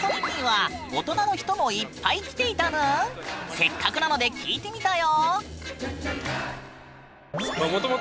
せっかくなので聞いてみたよ！